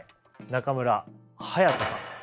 中村隼人さん。